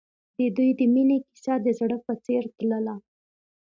د دوی د مینې کیسه د زړه په څېر تلله.